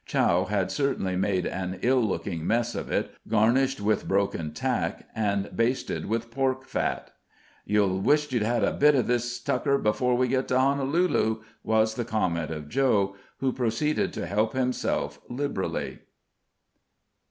Chow had certainly made an ill looking mess of it, garnished with broken tack, and basted with pork fat. "You'll wisht you had a bit of this tucker afore we get to Honolulu," was the comment of Joe, who proceeded to help himself liberally.